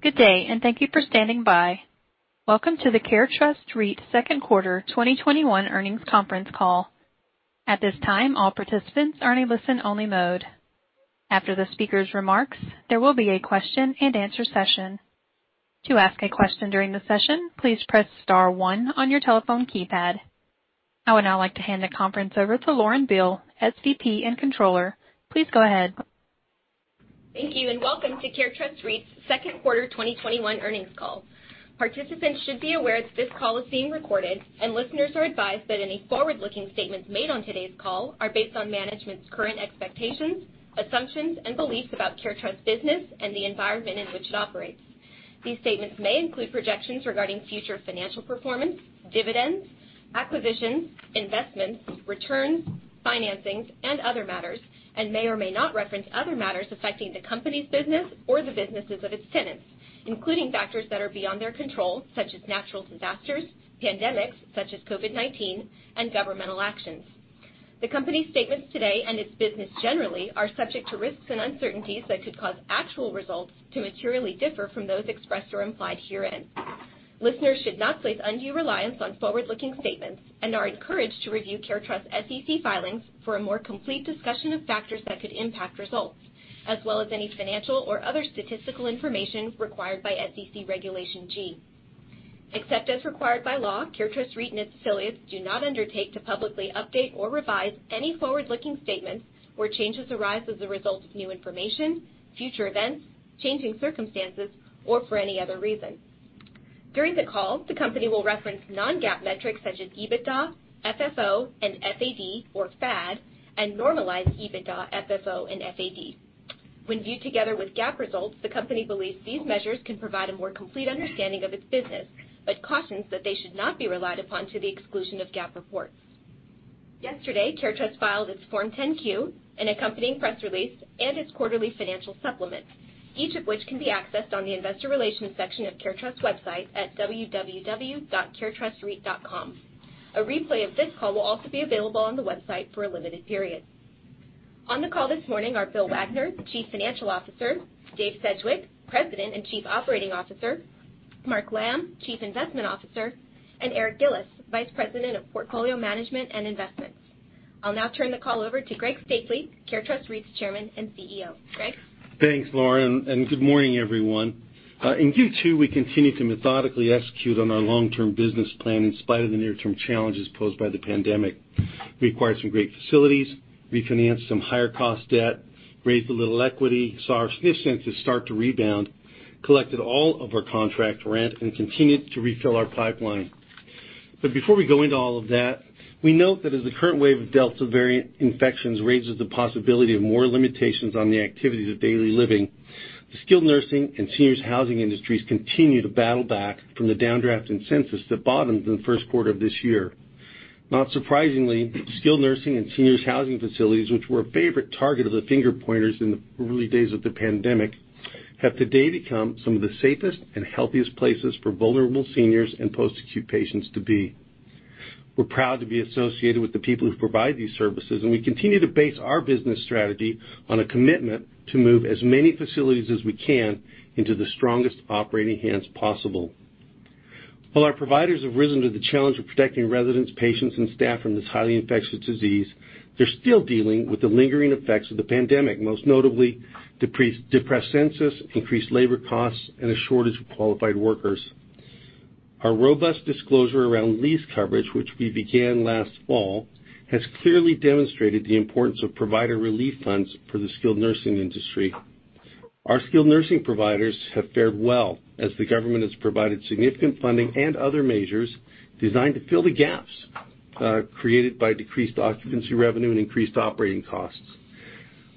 Good day, and thank you for standing by. Welcome to the CareTrust REIT second Quarter 2021 Earnings Conference Call. At this time, all participants are in a listen-only mode. After the speakers' remarks, there will be a question and answer session. To ask a question during the session, please press star one on your telephone keypad. I would now like to hand the conference over to Lauren Beale, SVP and Controller. Please go ahead. Thank you, and welcome to CareTrust REIT's second quarter 2021 earnings call. Participants should be aware that this call is being recorded, and listeners are advised that any forward-looking statements made on today's call are based on management's current expectations, assumptions, and beliefs about CareTrust's business and the environment in which it operates. These statements may include projections regarding future financial performance, dividends, acquisitions, investments, returns, financings, and other matters, and may or may not reference other matters affecting the company's business or the businesses of its tenants, including factors that are beyond their control, such as natural disasters, pandemics such as COVID-19, and governmental actions. The company's statements today, and its business generally, are subject to risks and uncertainties that could cause actual results to materially differ from those expressed or implied herein. Listeners should not place undue reliance on forward-looking statements and are encouraged to review CareTrust's SEC filings for a more complete discussion of factors that could impact results, as well as any financial or other statistical information required by SEC Regulation G. Except as required by law, CareTrust REIT and its affiliates do not undertake to publicly update or revise any forward-looking statements where changes arise as a result of new information, future events, changing circumstances, or for any other reason. During the call, the company will reference non-GAAP metrics such as EBITDA, FFO, and FAD, or FAD, and normalized EBITDA, FFO, and FAD. When viewed together with GAAP results, the company believes these measures can provide a more complete understanding of its business, but cautions that they should not be relied upon to the exclusion of GAAP reports. Yesterday, CareTrust filed its Form 10-Q, an accompanying press release, and its quarterly financial supplement, each of which can be accessed on the investor relations section of CareTrust's website at www.caretrustreit.com. A replay of this call will also be available on the website for a limited period. On the call this morning are Bill Wagner, Chief Financial Officer, Dave Sedgwick, President and Chief Operating Officer, Mark Lamb, Chief Investment Officer, and Eric Gillis, Vice President of Portfolio Management and Investments. I'll now turn the call over to Greg Stapley, CareTrust REIT's Chairman and CEO. Stapley? Thanks, Lauren, and good morning, everyone. In Q2, we continued to methodically execute on our long-term business plan in spite of the near-term challenges posed by the pandemic. We acquired some great facilities, refinanced some higher-cost debt, raised a little equity, saw our SNF census start to rebound, collected all of our contract rent, and continued to refill our pipeline. Before we go into all of that, we note that as the current wave of Delta variant infections raises the possibility of more limitations on the activities of daily living, the skilled nursing and seniors housing industries continue to battle back from the downdraft in census that bottomed in the first quarter of this year. Not surprisingly, skilled nursing and seniors housing facilities, which were a favorite target of the finger-pointers in the early days of the pandemic, have today become some of the safest and healthiest places for vulnerable seniors and post-acute patients to be. We're proud to be associated with the people who provide these services, and we continue to base our business strategy on a commitment to move as many facilities as we can into the strongest operating hands possible. While our providers have risen to the challenge of protecting residents, patients, and staff from this highly infectious disease, they're still dealing with the lingering effects of the pandemic, most notably depressed census, increased labor costs, and a shortage of qualified workers. Our robust disclosure around lease coverage, which we began last fall, has clearly demonstrated the importance of provider relief funds for the skilled nursing industry. Our skilled nursing providers have fared well as the government has provided significant funding and other measures designed to fill the gaps created by decreased occupancy revenue and increased operating costs.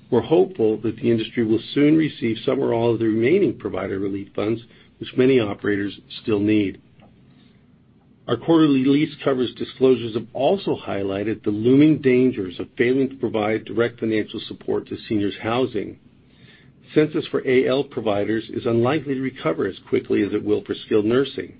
We're hopeful that the industry will soon receive some or all of the remaining provider relief funds, which many operators still need. Our quarterly lease coverage disclosures have also highlighted the looming dangers of failing to provide direct financial support to seniors housing. Census for AL providers is unlikely to recover as quickly as it will for skilled nursing.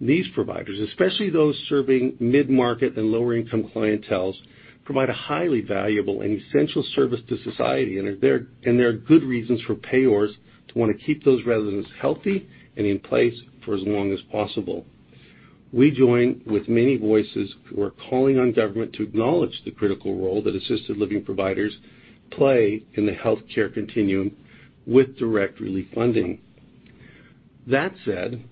These providers, especially those serving mid-market and lower-income clienteles, provide a highly valuable and essential service to society, and there are good reasons for payers to want to keep those residents healthy and in place for as long as possible. We join with many voices who are calling on government to acknowledge the critical role that assisted living providers play in the healthcare continuum with direct relief funding. That said,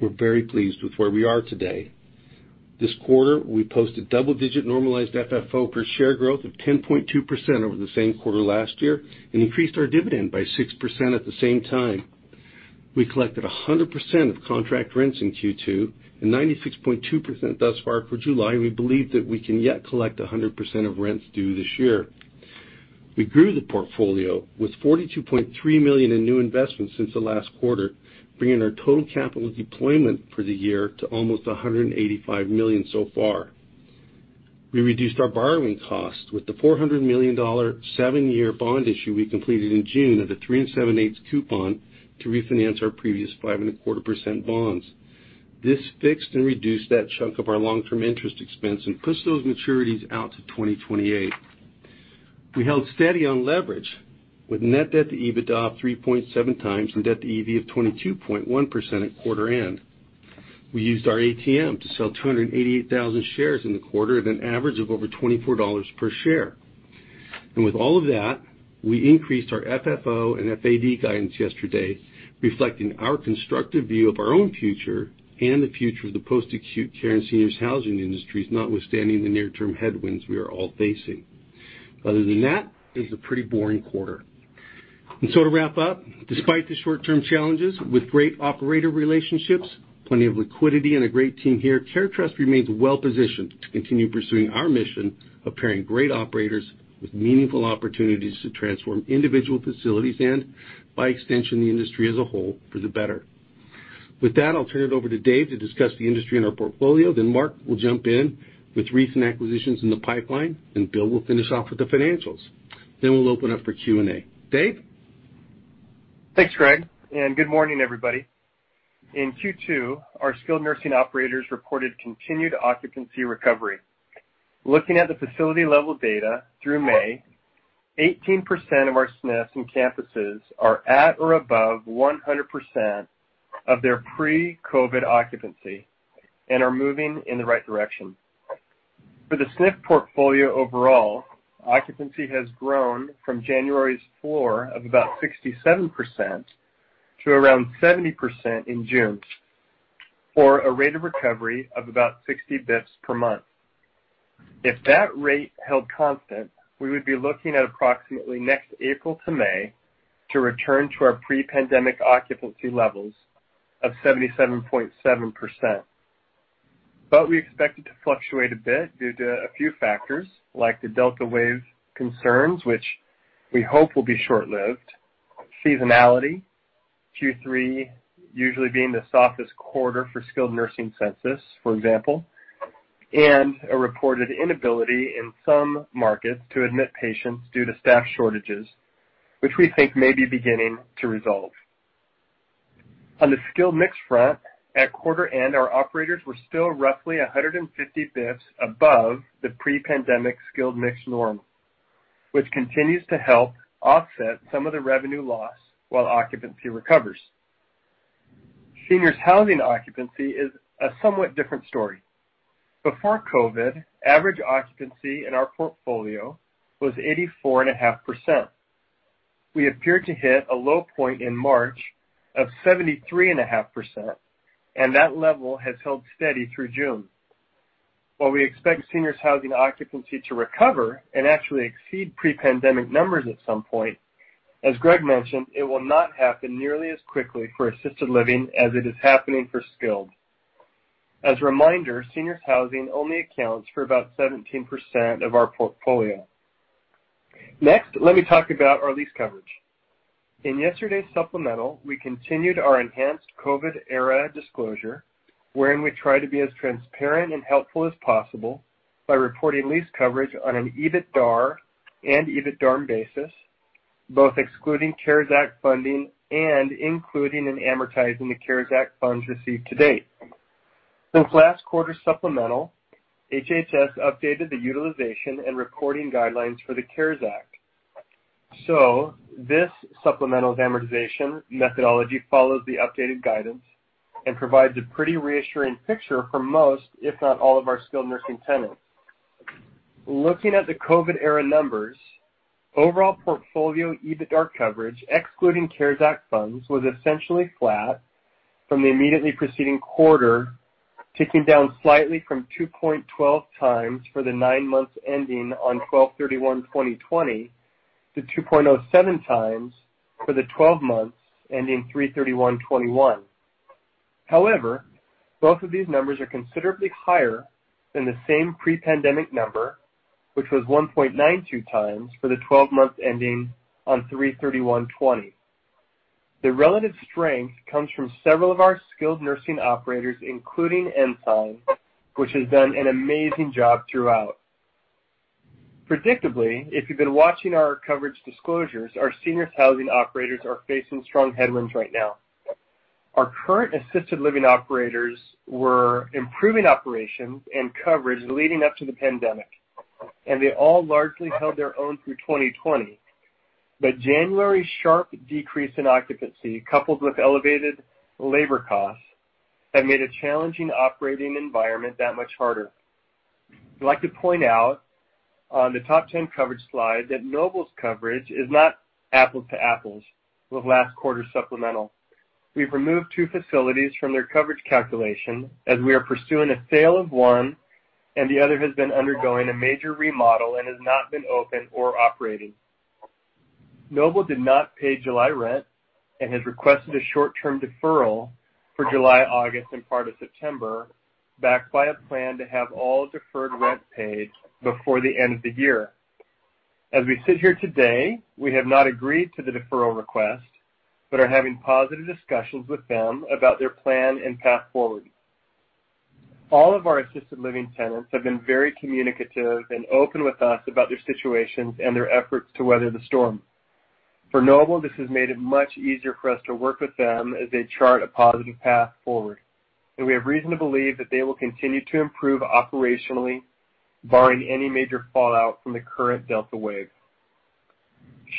we're very pleased with where we are today. This quarter, we posted double-digit normalized FFO per share growth of 10.2% over the same quarter last year and increased our dividend by 6% at the same time. We collected 100% of contract rents in Q2 and 96.2% thus far for July, and we believe that we can yet collect 100% of rents due this year. We grew the portfolio with $42.3 million in new investments since the last quarter, bringing our total capital deployment for the year to almost $185 million so far. We reduced our borrowing costs with the $400 million seven-year bond issue we completed in June at a 3.75 coupon to refinance our previous 5.25% bonds. This fixed and reduced that chunk of our long-term interest expense and pushed those maturities out to 2028. We held steady on leverage with net debt to EBITDA of 3.7 times and debt to EV of 22.1% at quarter end. We used our ATM to sell 288,000 shares in the quarter at an average of over $24 per share. With all of that, we increased our FFO and FAD guidance yesterday, reflecting our constructive view of our own future and the future of the post-acute care and seniors housing industries, notwithstanding the near-term headwinds we are all facing. Other than that, it was a pretty boring quarter. To wrap up, despite the short-term challenges with great operator relationships, plenty of liquidity, and a great team here, CareTrust remains well-positioned to continue pursuing our mission of pairing great operators with meaningful opportunities to transform individual facilities and, by extension, the industry as a whole for the better. With that, I'll turn it over to Dave to discuss the industry and our portfolio. Mark will jump in with recent acquisitions in the pipeline, and Bill will finish off with the financials. We'll open up for Q&A. Dave? Thanks, Greg. Good morning, everybody. In Q2, our skilled nursing operators reported continued occupancy recovery. Looking at the facility-level data through May, 18% of our SNFs and campuses are at or above 100% of their pre-COVID occupancy and are moving in the right direction. For the SNF portfolio overall, occupancy has grown from January's floor of about 67% to around 70% in June, for a rate of recovery of about 60 bps per month. If that rate held constant, we would be looking at approximately next April to May to return to our pre-pandemic occupancy levels of 77.7%. We expect it to fluctuate a bit due to a few factors like the Delta wave concerns, which we hope will be short-lived, seasonality, Q3 usually being the softest quarter for skilled nursing census, for example; and a reported inability in some markets to admit patients due to staff shortages, which we think may be beginning to resolve. On the skilled mix front, at quarter end, our operators were still roughly 150 basis points above the pre-pandemic skilled mix norm, which continues to help offset some of the revenue loss while occupancy recovers. Seniors housing occupancy is a somewhat different story. Before COVID, average occupancy in our portfolio was 84.5%. We appeared to hit a low point in March of 73.5%, and that level has held steady through June. While we expect seniors housing occupancy to recover and actually exceed pre-pandemic numbers at some point, as Greg mentioned, it will not happen nearly as quickly for assisted living as it is happening for skilled. As a reminder, seniors housing only accounts for about 17% of our portfolio. Next, let me talk about our lease coverage. In yesterday's supplemental, we continued our enhanced COVID-era disclosure, wherein we try to be as transparent and helpful as possible by reporting lease coverage on an EBITDAR and EBITDARM basis, both excluding CARES Act funding and including and amortizing the CARES Act funds received to date. Since last quarter's supplemental, HHS updated the utilization and reporting guidelines for the CARES Act. This supplemental's amortization methodology follows the updated guidance and provides a pretty reassuring picture for most, if not all, of our skilled nursing tenants. Looking at the COVID-era numbers, overall portfolio EBITDAR coverage, excluding CARES Act funds, was essentially flat from the immediately preceding quarter, ticking down slightly from 2.12 times for the nine months ending on 12/31/2020 to 2.07 times for the 12 months ending 3/31/2021. Both of these numbers are considerably higher than the same pre-pandemic number, which was 1.92 times for the 12 months ending on 3/31/2020. The relative strength comes from several of our skilled nursing operators, including Ensign, which has done an amazing job throughout. Predictably, if you've been watching our coverage disclosures, our seniors housing operators are facing strong headwinds right now. Our current assisted living operators were improving operations and coverage leading up to the pandemic, and they all largely held their own through 2020. January's sharp decrease in occupancy, coupled with elevated labor costs, have made a challenging operating environment that much harder. We'd like to point out on the top 10 coverage slide that Noble's coverage is not apples to apples with last quarter's supplemental. We've removed two facilities from their coverage calculation as we are pursuing a sale of one and the other has been undergoing a major remodel and has not been open or operating. Noble did not pay July rent and has requested a short-term deferral for July, August, and part of September, backed by a plan to have all deferred rent paid before the end of the year. As we sit here today, we have not agreed to the deferral request but are having positive discussions with them about their plan and path forward. All of our assisted living tenants have been very communicative and open with us about their situations and their efforts to weather the storm. For Noble, this has made it much easier for us to work with them as they chart a positive path forward, and we have reason to believe that they will continue to improve operationally, barring any major fallout from the current Delta wave.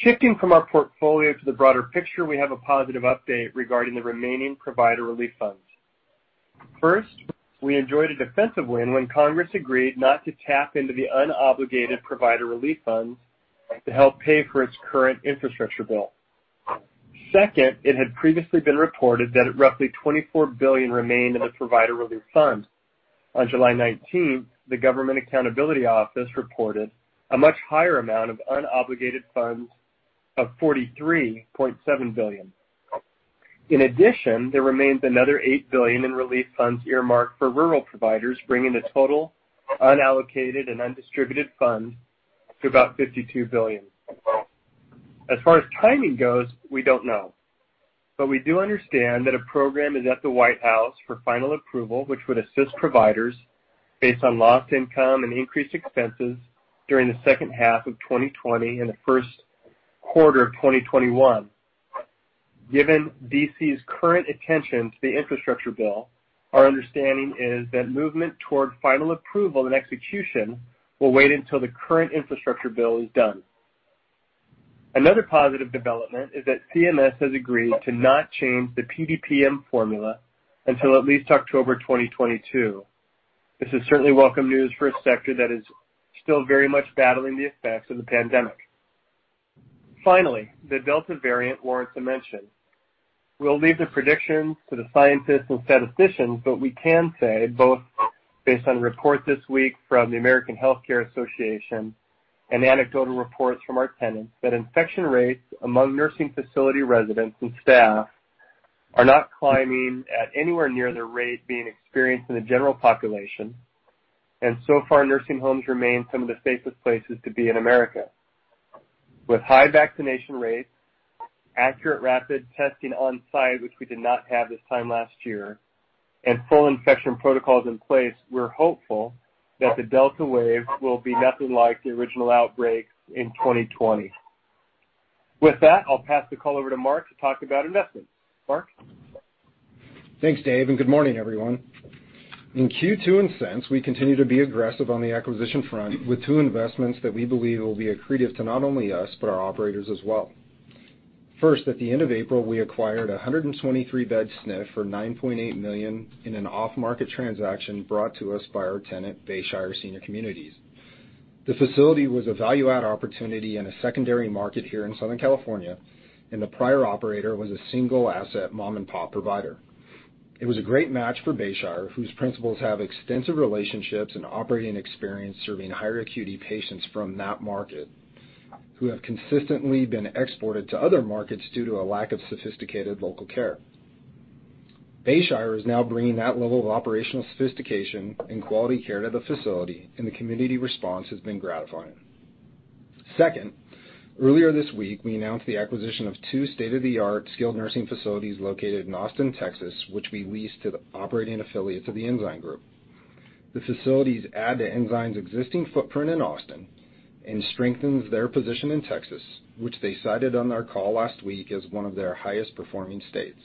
Shifting from our portfolio to the broader picture, we have a positive update regarding the remaining provider relief funds. First, we enjoyed a defensive win when Congress agreed not to tap into the unobligated provider relief funds to help pay for its current infrastructure bill. Second, it had previously been reported that roughly $24 billion remained in the provider relief fund. On July 19th, the Government Accountability Office reported a much higher amount of unobligated funds of $43.7 billion. There remains another $8 billion in relief funds earmarked for rural providers, bringing the total unallocated and undistributed funds to about $52 billion. As far as timing goes, we don't know, but we do understand that a program is at the White House for final approval, which would assist providers based on lost income and increased expenses during the second half of 2020 and the first quarter of 2021. Given D.C.'s current attention to the infrastructure bill, our understanding is that movement toward final approval and execution will wait until the current infrastructure bill is done. Another positive development is that CMS has agreed to not change the PDPM formula until at least October 2022. This is certainly welcome news for a sector that is still very much battling the effects of the pandemic. The Delta variant warrants a mention. We'll leave the predictions to the scientists and statisticians. We can say, both based on reports this week from the American Health Care Association and anecdotal reports from our tenants, that infection rates among nursing facility residents and staff are not climbing at anywhere near the rate being experienced in the general population. So far, nursing homes remain some of the safest places to be in America. With high vaccination rates, accurate rapid testing on-site, which we did not have this time last year, and full infection protocols in place, we're hopeful that the Delta wave will be nothing like the original outbreak in 2020. With that, I'll pass the call over to Mark to talk about investments. Mark? Thanks, Dave, good morning, everyone. In Q2 and since, we continue to be aggressive on the acquisition front with two investments that we believe will be accretive to not only us, but our operators as well. First, at the end of April, we acquired 123-bed SNF for $9.8 million in an off-market transaction brought to us by our tenant, Bayshire Senior Communities. The facility was a value-add opportunity in a secondary market here in Southern California, and the prior operator was a single-asset mom-and-pop provider. It was a great match for Bayshire, whose principals have extensive relationships and operating experience serving higher acuity patients from that market who have consistently been exported to other markets due to a lack of sophisticated local care. Bayshire is now bringing that level of operational sophistication and quality care to the facility, and the community response has been gratifying. Earlier this week, we announced the acquisition of two state-of-the-art skilled nursing facilities located in Austin, Texas, which we leased to the operating affiliate to the Ensign Group. The facilities add to Ensign's existing footprint in Austin and strengthens their position in Texas, which they cited on their call last week as one of their highest performing states.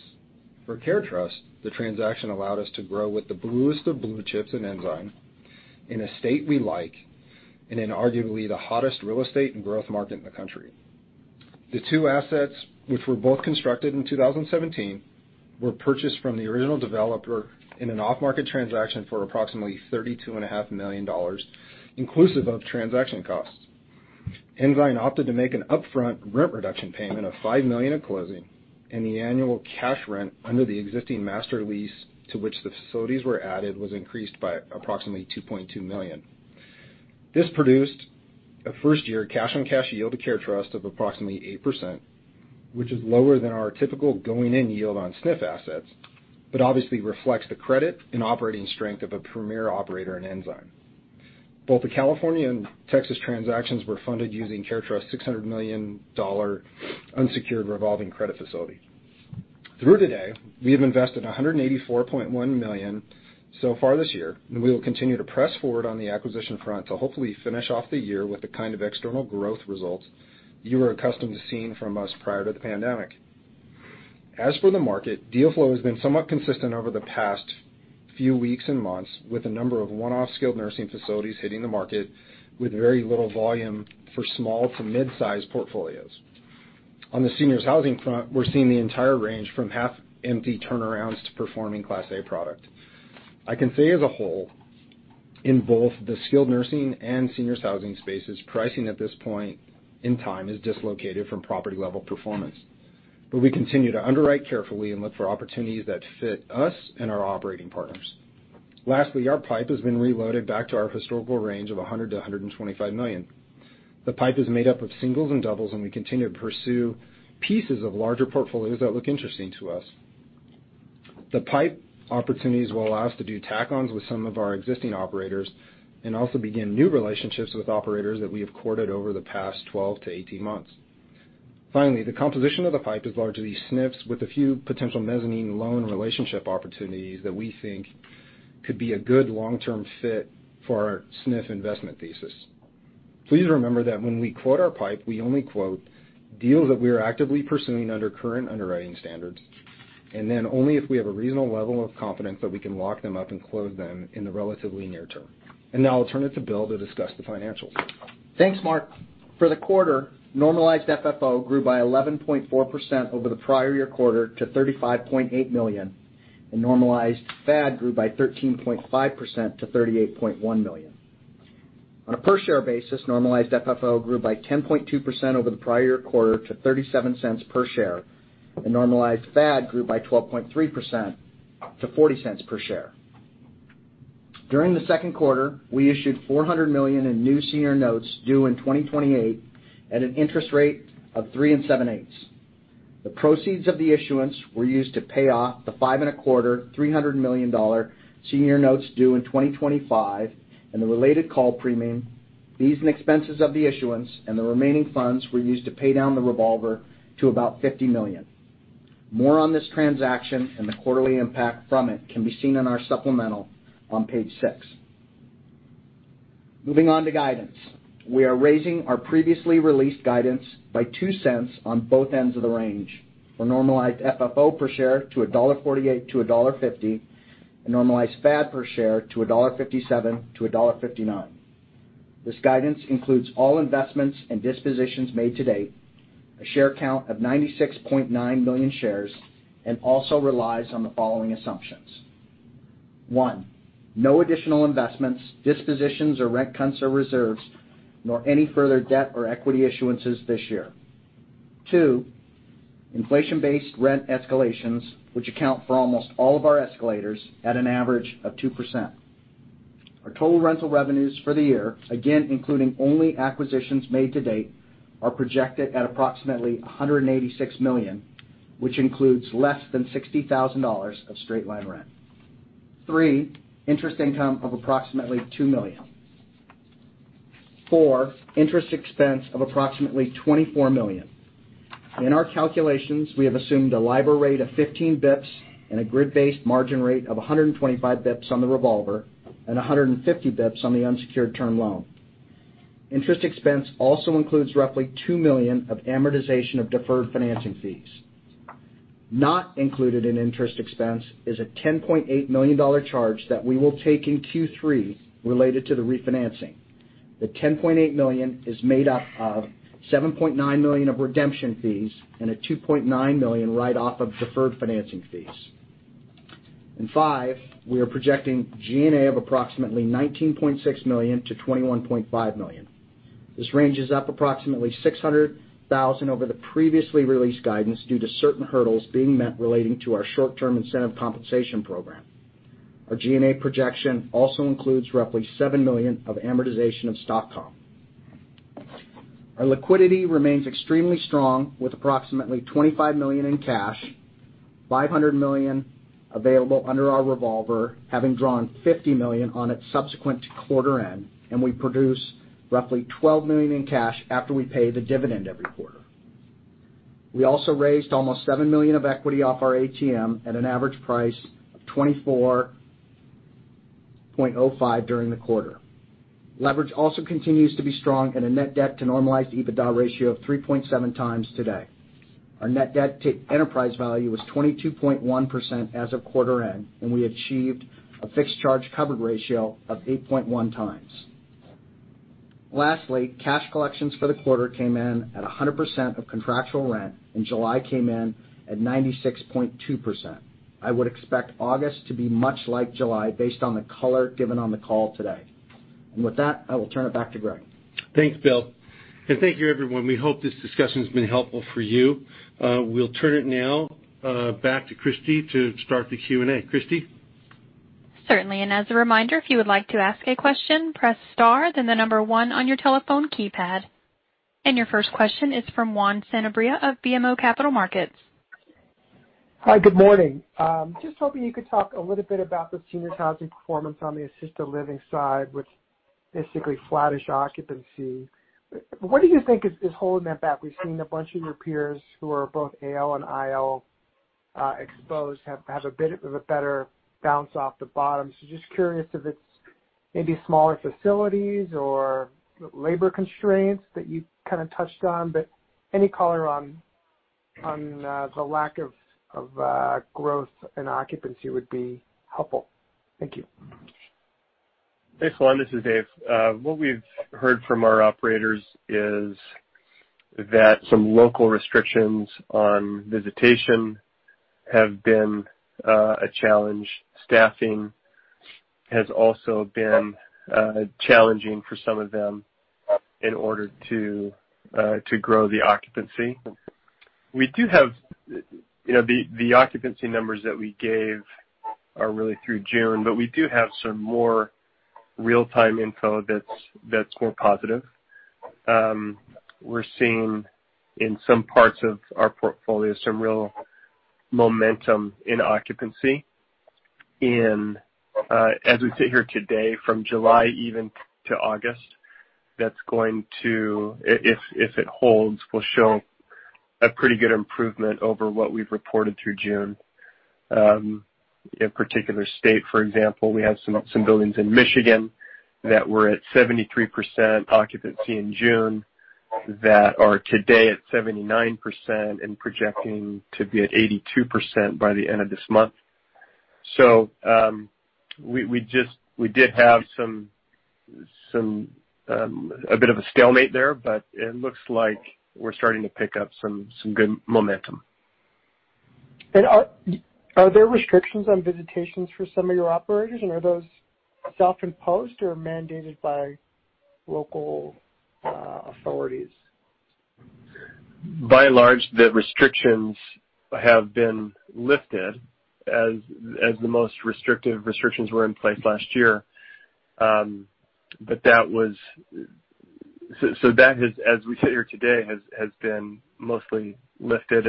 For CareTrust, the transaction allowed us to grow with the bluest of blue chips in Ensign, in a state we like, and in arguably the hottest real estate and growth market in the country. The two assets, which were both constructed in 2017, were purchased from the original developer in an off-market transaction for approximately $32.5 million, inclusive of transaction costs. Ensign opted to make an upfront rent reduction payment of $5 million at closing, and the annual cash rent under the existing master lease to which the facilities were added was increased by approximately $2.2 million. This produced a first-year cash-on-cash yield to CareTrust of approximately 8%, which is lower than our typical going-in yield on SNF assets, but obviously reflects the credit and operating strength of a premier operator in Ensign. Both the California and Texas transactions were funded using CareTrust's $600 million unsecured revolving credit facility. Through today, we have invested $184.1 million so far this year, and we will continue to press forward on the acquisition front to hopefully finish off the year with the kind of external growth results you are accustomed to seeing from us prior to the pandemic. As for the market, deal flow has been somewhat consistent over the past few weeks and months, with a number of one-off skilled nursing facilities hitting the market with very little volume for small to mid-size portfolios. On the seniors housing front, we're seeing the entire range from half-empty turnarounds to performing Class A product. I can say as a whole, in both the skilled nursing and seniors housing spaces, pricing at this point in time is dislocated from property-level performance. We continue to underwrite carefully and look for opportunities that fit us and our operating partners. Lastly, our pipe has been reloaded back to our historical range of $100 million-$125 million. The pipe is made up of singles and doubles, and we continue to pursue pieces of larger portfolios that look interesting to us. The pipe opportunities will allow us to do tack-ons with some of our existing operators and also begin new relationships with operators that we have courted over the past 12 to 18 months. The composition of the pipe is largely SNFs with a few potential mezzanine loan relationship opportunities that we think could be a good long-term fit for our SNF investment thesis. Please remember that when we quote our pipe, we only quote deals that we are actively pursuing under current underwriting standards, then only if we have a reasonable level of confidence that we can lock them up and close them in the relatively near term. Now I'll turn it to Bill to discuss the financials. Thanks, Mark. For the quarter, normalized FFO grew by 11.4% over the prior year quarter to $35.8 million, and normalized FAD grew by 13.5% to $38.1 million. On a per-share basis, normalized FFO grew by 10.2% over the prior year quarter to $0.37 per share, and normalized FAD grew by 12.3% to $0.40 per share. During the second quarter, we issued $400 million in new senior notes due in 2028 at an interest rate of three and seven-eighth. The proceeds of the issuance were used to pay off the five and a quarter, $300 million senior notes due in 2025, and the related call premium, fees and expenses of the issuance, and the remaining funds were used to pay down the revolver to about $50 million. More on this transaction and the quarterly impact from it can be seen in our supplemental on page six. Moving on to guidance. We are raising our previously released guidance by $0.02 on both ends of the range for normalized FFO per share to $1.48-$1.50, and normalized FAD per share to $1.57-$1.59. This guidance includes all investments and dispositions made to date, a share count of 96.9 million shares, and also relies on the following assumptions. One, no additional investments, dispositions or rent cons or reserves, nor any further debt or equity issuances this year. Two, inflation-based rent escalations, which account for almost all of our escalators at an average of 2%. Our total rental revenues for the year, again, including only acquisitions made to date, are projected at approximately $186 million, which includes less than $60,000 of straight line rent. Three, interest income of approximately $2 million. Four, interest expense of approximately $24 million. In our calculations, we have assumed a LIBOR rate of 15 basis points and a grid-based margin rate of 125 basis points on the revolver and 150 basis points on the unsecured term loan. Interest expense also includes roughly $2 million of amortization of deferred financing fees. Not included in interest expense is a $10.8 million charge that we will take in Q3 related to the refinancing. The $10.8 million is made up of $7.9 million of redemption fees and a $2.9 million write-off of deferred financing fees. Five, we are projecting G&A of approximately $19.6 million-$21.5 million. This range is up approximately $600,000 over the previously released guidance due to certain hurdles being met relating to our short-term incentive compensation program. Our G&A projection also includes roughly $7 million of amortization of stock comp. Our liquidity remains extremely strong with approximately $25 million in cash, $500 million available under our revolver, having drawn $50 million on it subsequent to quarter end. We produce roughly $12 million in cash after we pay the dividend every quarter. We also raised almost $7 million of equity off our ATM at an average price of $24.05 during the quarter. Leverage also continues to be strong at a net debt to normalized EBITDA ratio of 3.7 times today. Our net debt to enterprise value was 22.1% as of quarter end. We achieved a fixed charge covered ratio of 8.1 times. Lastly, cash collections for the quarter came in at 100% of contractual rent. July came in at 96.2%. I would expect August to be much like July based on the color given on the call today. With that, I will turn it back to Greg. Thanks, Bill. Thank you, everyone. We hope this discussion has been helpful for you. We'll turn it now back to Christie to start the Q&A. Christie? Certainly. As a reminder, if you would like to ask a question, press star, then the number one on your telephone keypad. Your first question is from Juan Sanabria of BMO Capital Markets. Hi, good morning. Just hoping you could talk a little bit about the seniors' housing performance on the assisted living side, with basically flattish occupancy. What do you think is holding that back? We've seen a bunch of your peers who are both AL and IL exposed have a better bounce off the bottom. Just curious if it's maybe smaller facilities or labor constraints that you kind of touched on, but any color on the lack of growth and occupancy would be helpful. Thank you. Thanks, Juan. This is Dave. What we've heard from our operators is that some local restrictions on visitation have been a challenge. Staffing has also been challenging for some of them in order to grow the occupancy. The occupancy numbers that we gave are really through June. We do have some more real-time info that's more positive. We're seeing in some parts of our portfolio some real momentum in occupancy in, as we sit here today, from July even to August. If it holds, we'll show a pretty good improvement over what we've reported through June. A particular state, for example, we have some buildings in Michigan that were at 73% occupancy in June that are today at 79% and projecting to be at 82% by the end of this month. We did have a bit of a stalemate there, but it looks like we're starting to pick up some good momentum. Are there restrictions on visitations for some of your operators? Are those self-imposed or mandated by local authorities? By and large, the restrictions have been lifted as the most restrictive restrictions were in place last year. That, as we sit here today, has been mostly lifted.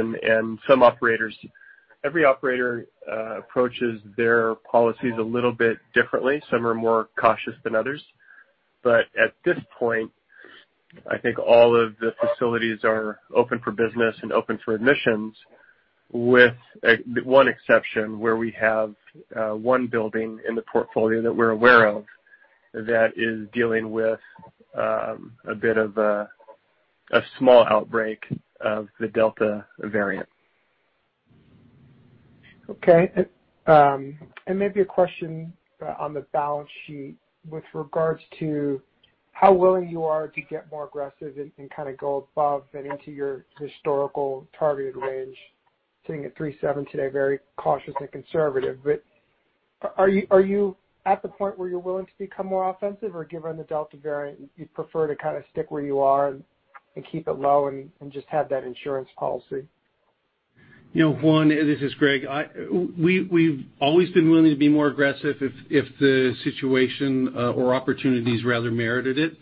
Every operator approaches their policies a little bit differently. Some are more cautious than others. At this point, I think all of the facilities are open for business and open for admissions with one exception, where we have one building in the portfolio that we are aware of that is dealing with a bit of a small outbreak of the Delta variant. Okay. Maybe a question on the balance sheet with regards to how willing you are to get more aggressive and kind of go above and into your historical targeted range, sitting at 3.7 today, very cautious and conservative. Are you at the point where you're willing to become more offensive? Given the Delta variant, you'd prefer to kind of stick where you are and keep it low and just have that insurance policy? Juan, this is Greg. We've always been willing to be more aggressive if the situation or opportunities, rather, merited it.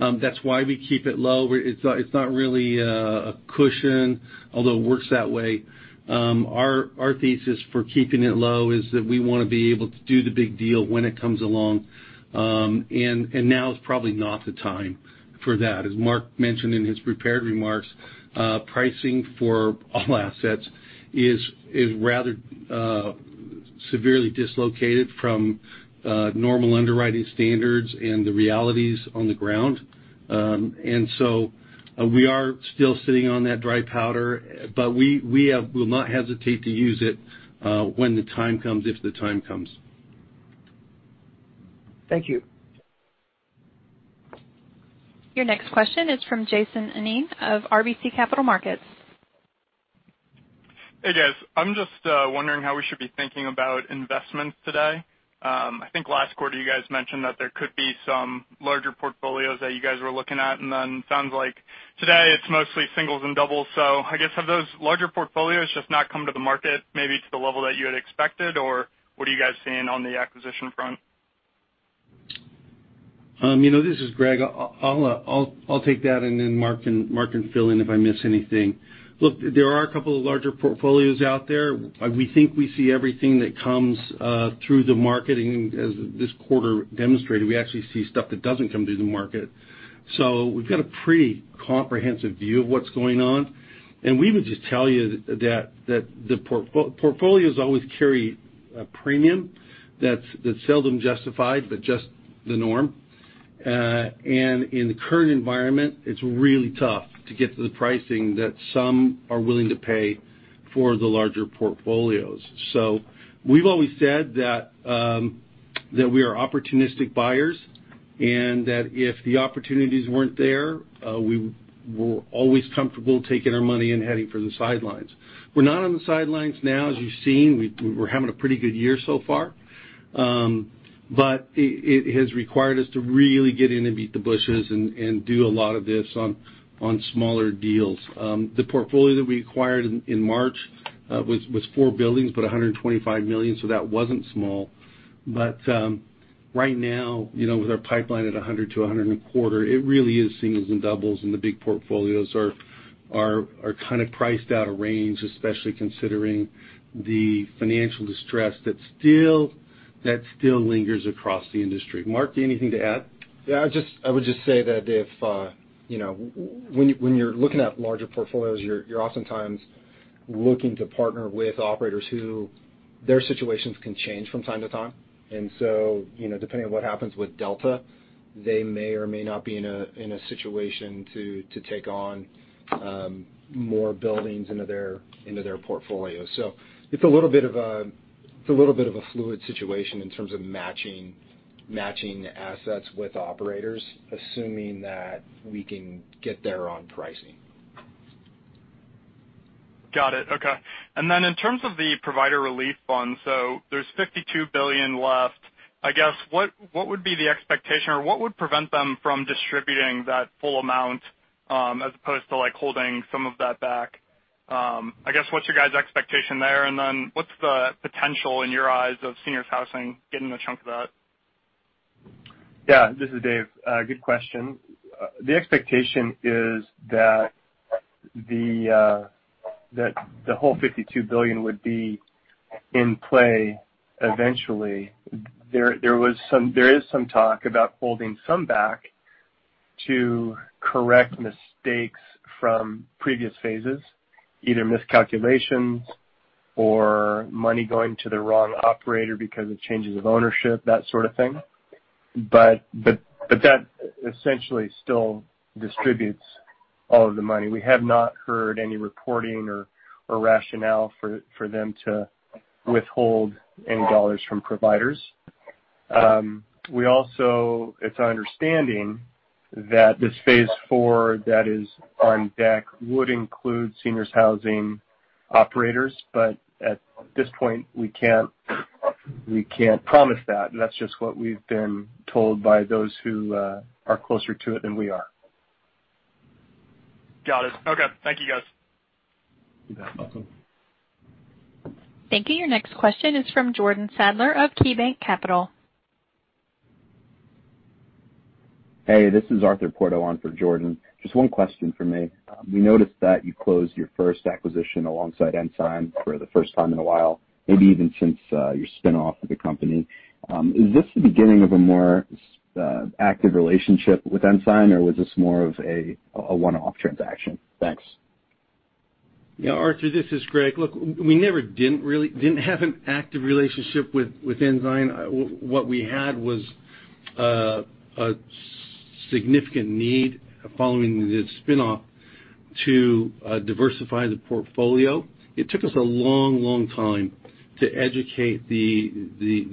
That's why we keep it low. It's not really a cushion, although it works that way. Our thesis for keeping it low is that we want to be able to do the big deal when it comes along. Now is probably not the time for that. As Mark mentioned in his prepared remarks, pricing for all assets is rather severely dislocated from normal underwriting standards and the realities on the ground. So we are still sitting on that dry powder, but we will not hesitate to use it when the time comes, if the time comes. Thank you. Your next question is from Jason An of RBC Capital Markets. Hey, guys. I'm just wondering how we should be thinking about investments today. I think last quarter you guys mentioned that there could be some larger portfolios that you guys were looking at, and then sounds like today it's mostly singles and doubles. I guess have those larger portfolios just not come to the market, maybe to the level that you had expected? Or what are you guys seeing on the acquisition front? This is Greg. I'll take that and then Mark can fill in if I miss anything. Look, there are a couple of larger portfolios out there. We think we see everything that comes through the marketing. As this quarter demonstrated, we actually see stuff that doesn't come through the market. We've got a pretty comprehensive view of what's going on, and we would just tell you that the portfolios always carry a premium that's seldom justified, but just the norm. In the current environment, it's really tough to get to the pricing that some are willing to pay for the larger portfolios. We've always said that we are opportunistic buyers and that if the opportunities weren't there, we're always comfortable taking our money and heading for the sidelines. We're not on the sidelines now. As you've seen, we're having a pretty good year so far. It has required us to really get in and beat the bushes and do a lot of this on smaller deals. The portfolio that we acquired in March was four buildings, but $125 million, so that wasn't small. Right now, with our pipeline at $100 million-$125 million, it really is singles and doubles, and the big portfolios are kind of priced out of range, especially considering the financial distress that still lingers across the industry. Mark, anything to add? I would just say that when you're looking at larger portfolios, you're oftentimes looking to partner with operators who their situations can change from time to time. Depending on what happens with Delta, they may or may not be in a situation to take on more buildings into their portfolio. It's a little bit of a fluid situation in terms of matching assets with operators, assuming that we can get there on pricing. Got it. Okay. In terms of the provider relief fund, there's $52 billion left. I guess, what would be the expectation or what would prevent them from distributing that full amount as opposed to holding some of that back? I guess, what's your guys' expectation there? What's the potential, in your eyes, of seniors housing getting a chunk of that? Yeah. This is Dave. Good question. The expectation is that the whole $52 billion would be in play eventually. There is some talk about holding some back to correct mistakes from previous phases, either miscalculations or money going to the wrong operator because of changes of ownership, that sort of thing. That essentially still distributes all of the money. We have not heard any reporting or rationale for them to withhold any dollars from providers. It's our understanding that this phase IV that is on deck would include seniors housing operators, at this point, we can't promise that. That's just what we've been told by those who are closer to it than we are. Got it. Okay. Thank you, guys. You're welcome. Thank you. Your next question is from Jordan Sadler of KeyBanc Capital. Hey, this is Arthur Porto on for Jordan. Just one question for me. We noticed that you closed your first acquisition alongside Ensign for the first time in a while, maybe even since your spin-off of the company. Is this the beginning of a more active relationship with Ensign, or was this more of a one-off transaction? Thanks. Yeah, Arthur, this is Greg. Look, we never didn't have an active relationship with Ensign. What we had was a significant need following the spin-off to diversify the portfolio. It took us a long time to educate the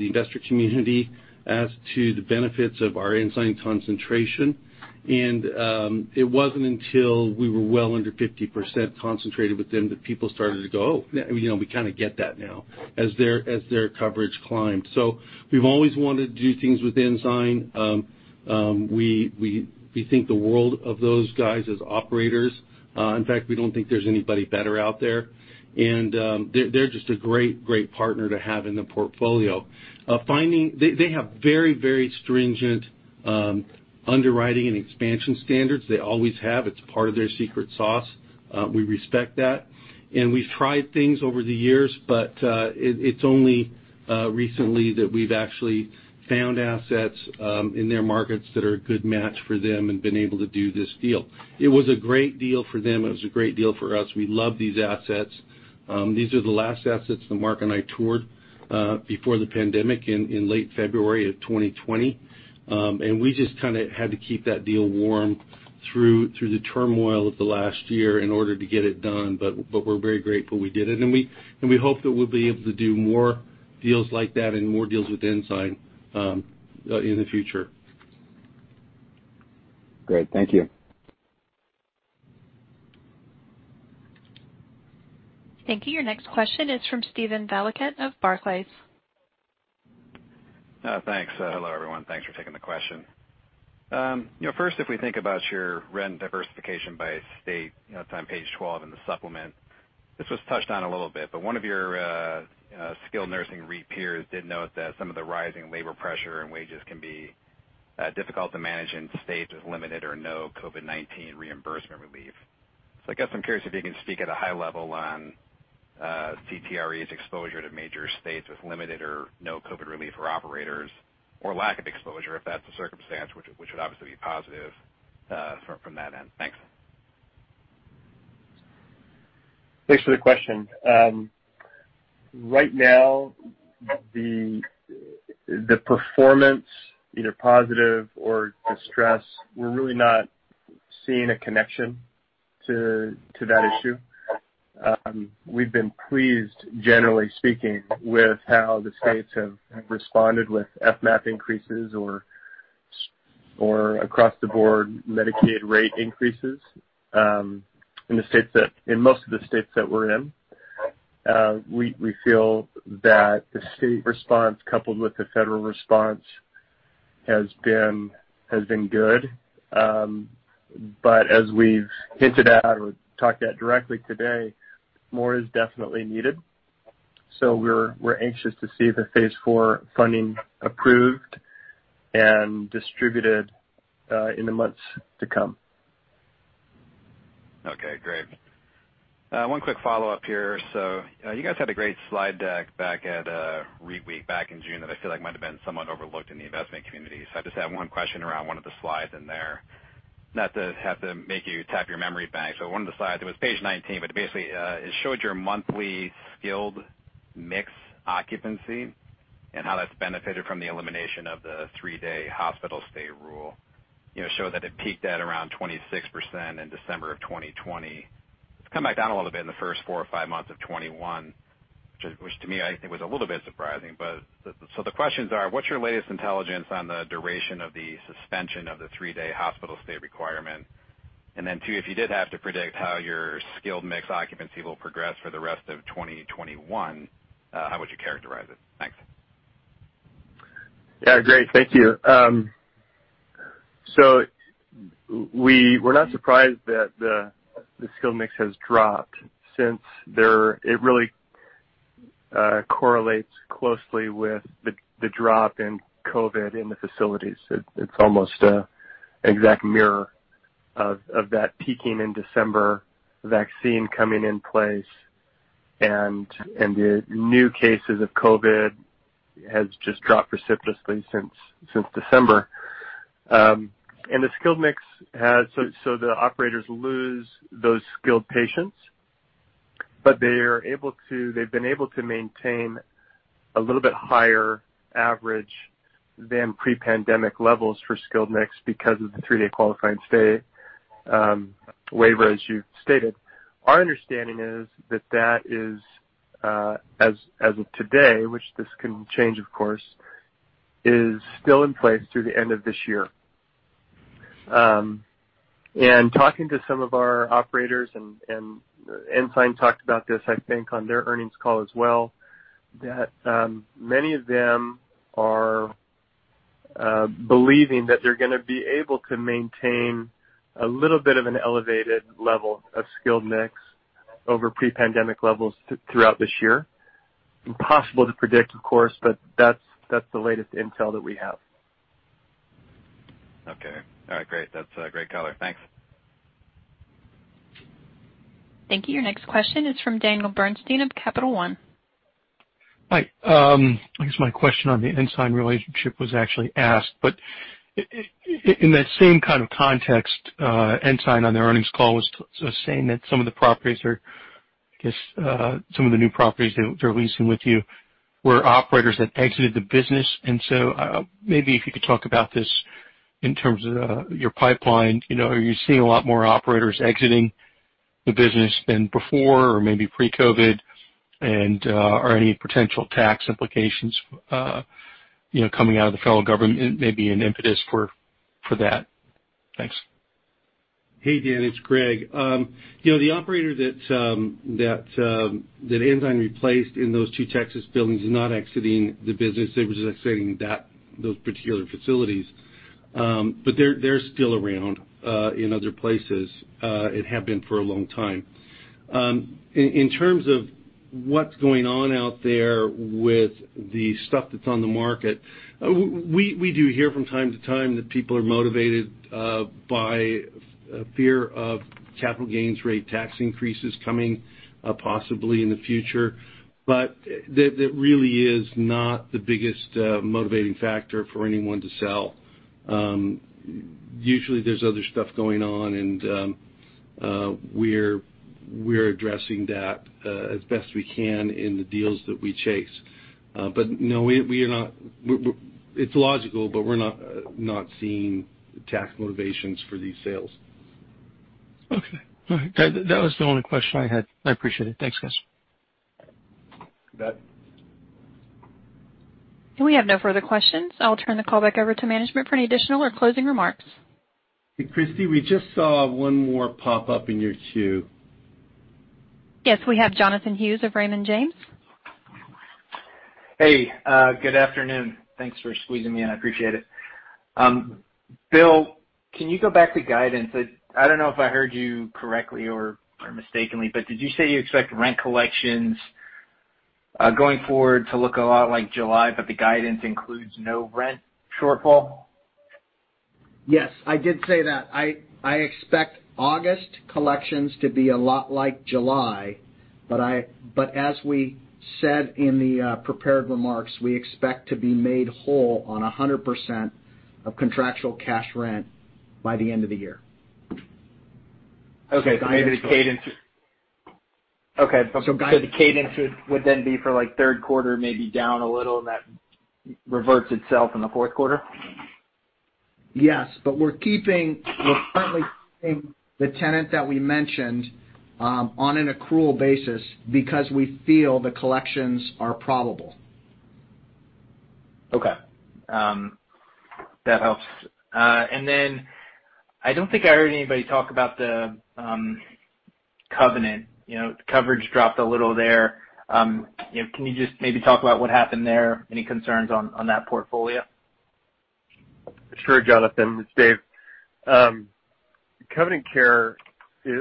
investor community as to the benefits of our Ensign concentration. It wasn't until we were well under 50% concentrated with them that people started to go, "Oh, we kind of get that now," as their coverage climbed. We've always wanted to do things with Ensign. We think the world of those guys as operators. In fact, we don't think there's anybody better out there. They're just a great partner to have in the portfolio. They have very stringent underwriting and expansion standards. They always have. It's part of their secret sauce. We respect that, and we've tried things over the years, but it's only recently that we've actually found assets in their markets that are a good match for them and been able to do this deal. It was a great deal for them, it was a great deal for us. We love these assets. These are the last assets that Mark and I toured before the pandemic in late February of 2020. We just kind of had to keep that deal warm through the turmoil of the last year in order to get it done. We're very grateful we did it, and we hope that we'll be able to do more deals like that and more deals with Ensign in the future. Great. Thank you. Thank you. Your next question is from Steven Valiquette of Barclays. Thanks. Hello, everyone. Thanks for taking the question. First, if we think about your rent diversification by state, it's on page 12 in the supplement. This was touched on a little bit, but one of your skilled nursing REIT peers did note that some of the rising labor pressure and wages can be difficult to manage in states with limited or no COVID-19 reimbursement relief. I guess I'm curious if you can speak at a high level on CTRE's exposure to major states with limited or no COVID relief for operators, or lack of exposure, if that's the circumstance, which would obviously be positive from that end. Thanks. Thanks for the question. Right now, the performance, either positive or distress, we're really not seeing a connection to that issue. We've been pleased, generally speaking, with how the states have responded with FMAP increases or across-the-board Medicaid rate increases in most of the states that we're in. We feel that the state response, coupled with the federal response, has been good. As we've hinted at or talked at directly today, more is definitely needed. We're anxious to see the phase IV funding approved and distributed in the months to come. Okay, great. one quick follow-up here. You guys had a great slide deck back at REITweek back in June that I feel like might have been somewhat overlooked in the investment community. I just have one question around one of the slides in there. Not to have to make you tap your memory bank. One of the slides, it was page 19, but basically, it showed your monthly skilled mix occupancy and how that's benefited from the elimination of the three-day hospital stay rule. Showed that it peaked at around 26% in December of 2020. It's come back down a little bit in the first four or five months of 2021, which to me, I think was a little bit surprising. The questions are. What's your latest intelligence on the duration of the suspension of the three-day hospital stay requirement? Two, if you did have to predict how your skilled mix occupancy will progress for the rest of 2021, how would you characterize it? Thanks. Yeah, great. Thank you. We're not surprised that the skilled mix has dropped since it really correlates closely with the drop in COVID in the facilities. It's almost an exact mirror of that peaking in December, vaccine coming in place, and the new cases of COVID has just dropped precipitously since December. The operators lose those skilled patients, but they've been able to maintain a little bit higher average than pre-pandemic levels for skilled mix because of the three-day qualifying stay waiver, as you stated. Our understanding is that that is, as of today, which this can change, of course, is still in place through the end of this year. Talking to some of our operators, and Ensign talked about this, I think, on their earnings call as well, that many of them are believing that they're going to be able to maintain a little bit of an elevated level of skilled mix over pre-pandemic levels throughout this year. Impossible to predict, of course, but that's the latest intel that we have. Okay. All right. Great. That's a great color. Thanks. Thank you. Your next question is from Daniel Bernstein of Capital One. Hi. I guess my question on the Ensign relationship was actually asked, but in that same kind of context, Ensign, on their earnings call, was saying that some of the new properties they're leasing with you were operators that exited the business. Maybe if you could talk about this in terms of your pipeline. Are you seeing a lot more operators exiting the business than before or maybe pre-COVID? Are any potential tax implications coming out of the federal government may be an impetus for that? Thanks. Hey, Dan. It's Greg. The operator that Ensign replaced in those two Texas buildings is not exiting the business. They were just exiting those particular facilities. They're still around in other places and have been for a long time. In terms of what's going on out there with the stuff that's on the market, we do hear from time to time that people are motivated by fear of capital gains rate tax increases coming possibly in the future. That really is not the biggest motivating factor for anyone to sell. Usually, there's other stuff going on, and we're addressing that as best we can in the deals that we chase. No, it's logical, but we're not seeing tax motivations for these sales. Okay. All right. That was the only question I had. I appreciate it. Thanks, guys. You bet. We have no further questions. I'll turn the call back over to management for any additional or closing remarks. Hey, Christy, we just saw one more pop up in your queue. Yes. We have Jonathan Hughes of Raymond James. Hey. Good afternoon. Thanks for squeezing me in. I appreciate it. Bill, can you go back to guidance? I don't know if I heard you correctly or mistakenly, but did you say you expect rent collections going forward to look a lot like July, but the guidance includes no rent shortfall? Yes, I did say that. I expect August collections to be a lot like July, but as we said in the prepared remarks, we expect to be made whole on 100% of contractual cash rent by the end of the year. Okay. Maybe the cadence would then be for like third quarter, maybe down a little, and that reverts itself in the fourth quarter? Yes, we're currently keeping the tenant that we mentioned on an accrual basis because we feel the collections are probable. Okay. That helps. I don't think I heard anybody talk about theCcovenant. Coverage dropped a little there. Can you just maybe talk about what happened there? Any concerns on that portfolio? Sure, Jonathan. It's Dave. Covenant Care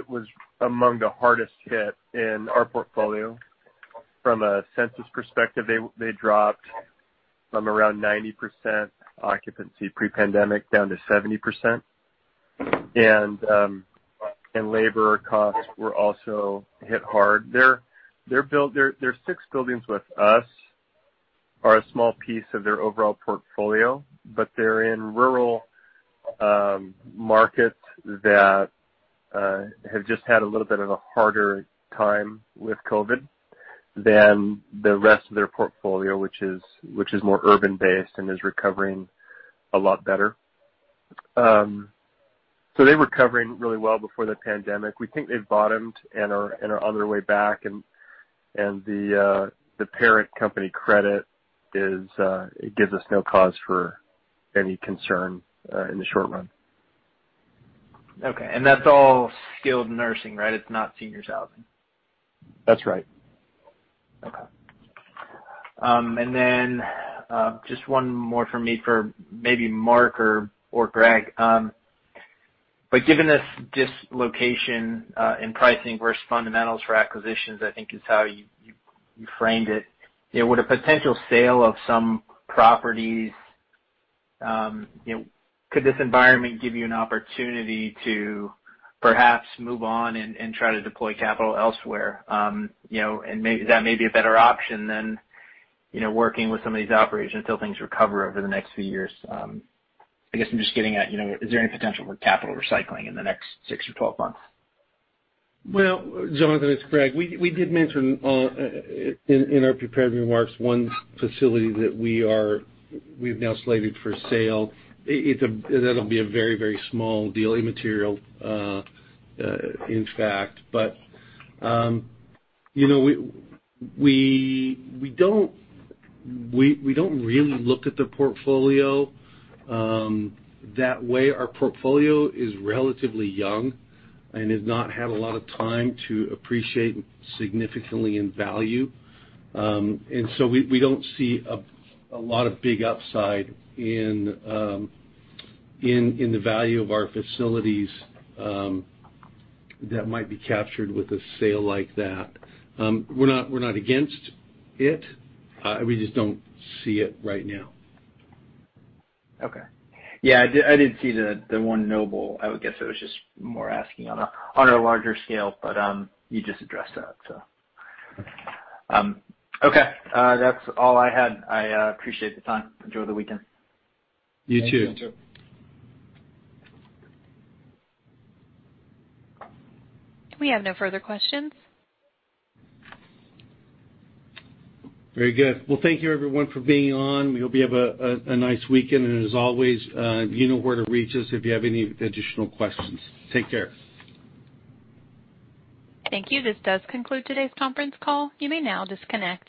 was among the hardest hit in our portfolio. From a census perspective, they dropped from around 90% occupancy pre-pandemic down to 70%. Labor costs were also hit hard. Their six buildings with us are a small piece of their overall portfolio, but they're in rural markets that have just had a little bit of a harder time with COVID than the rest of their portfolio, which is more urban-based and is recovering a lot better. They were recovering really well before the pandemic. We think they've bottomed and are on their way back, and the parent company credit gives us no cause for any concern in the short run. Okay. That's all skilled nursing, right? It's not seniors housing. That's right. Okay. Just one more from me for maybe Mark or Greg. Given this dislocation in pricing versus fundamentals for acquisitions, I think is how You framed it. Would a potential sale of some properties, could this environment give you an opportunity to perhaps move on and try to deploy capital elsewhere? That may be a better option than working with some of these operations until things recover over the next few years. I guess I'm just getting at, is there any potential for capital recycling in the next six or 12 months? Well, Jonathan, it's Greg. We did mention in our prepared remarks one facility that we've now slated for sale. That'll be a very small deal, immaterial, in fact. We don't really look at the portfolio that way. Our portfolio is relatively young and has not had a lot of time to appreciate significantly in value. We don't see a lot of big upside in the value of our facilities that might be captured with a sale like that. We're not against it. We just don't see it right now. Okay. Yeah, I did see the one Noble. I would guess it was just more asking on a larger scale, but you just addressed that. Okay. That's all I had. I appreciate the time. Enjoy the weekend. You too. We have no further questions. Very good. Well, thank you everyone for being on. We hope you have a nice weekend, and as always, you know where to reach us if you have any additional questions. Take care. Thank you. This does conclude today's conference call. You may now disconnect.